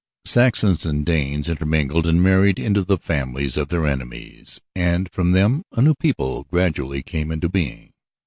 Saxons and Danes intermingled and married into the families of their enemies, and from them a new people gradually came into being.